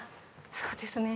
そうですね